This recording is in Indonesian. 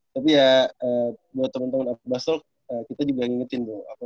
tapi ya buat temen temen afrobastel kita juga ngingetin bro